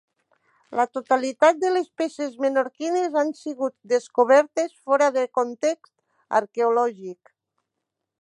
La totalitat de les peces menorquines han sigut descobertes fora de context arqueològic.